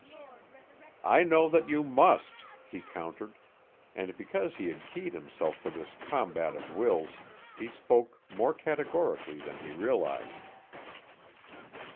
"I know that you must," he countered, and because he had keyed himself for this combat of wills he spoke more categorically than he realized.